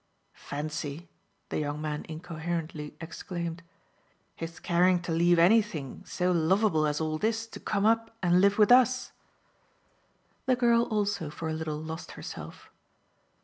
"Fancy," the young man incoherently exclaimed, "his caring to leave anything so loveable as all this to come up and live with US!" The girl also for a little lost herself.